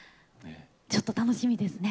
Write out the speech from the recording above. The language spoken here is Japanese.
ちょっと楽しみですね。